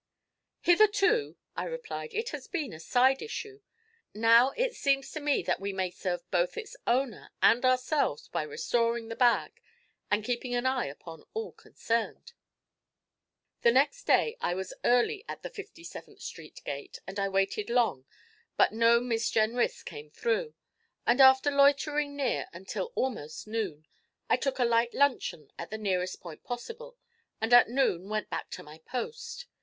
'Hitherto,' I replied, 'it has been a side issue; now it seems to me that we may serve both its owner and ourselves by restoring the bag, and keeping an eye upon all concerned.' The next day I was early at the Fifty seventh Street gate, and I waited long, but no Miss Jenrys came through; and after loitering near until almost noon, I took a light luncheon at the nearest point possible, and at noon went back to my post.